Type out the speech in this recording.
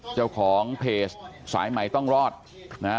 เจ้าของเพจสายใหม่ต้องรอดนะฮะ